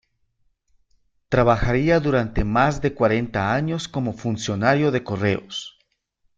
Trabajaría durante más de cuarenta años como funcionario de Correos.